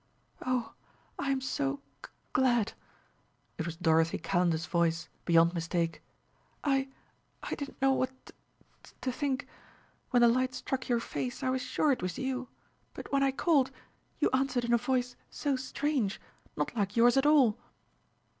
"Oh, I am so g glad!" It was Dorothy Calendar's voice, beyond mistake. "I I didn't know what t to t think.... When the light struck your face I was sure it was you, but when I called, you answered in a voice so strange, not like yours at all!